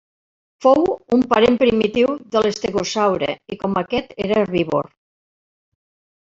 Fou un parent primitiu de l'estegosaure i, com aquest, era herbívor.